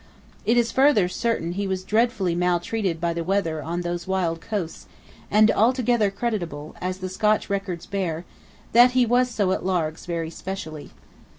It is further certain he was dreadfully maltreated by the weather on those wild coasts; and altogether credible, as the Scotch records bear, that he was so at Largs very specially.